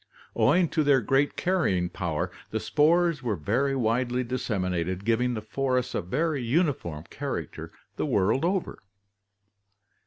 Owing to their great carrying power the spores were very widely disseminated, giving the forests a very uniform character the world over.